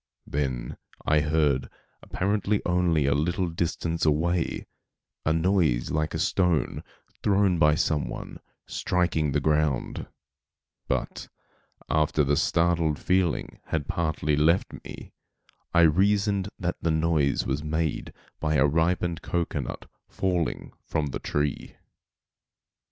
Then I heard, apparently only a little distance away, a noise like a stone, thrown by some one, striking the ground; but, after the startled feeling had partly left me I reasoned that the noise was made by a ripened cocoanut falling from the tree.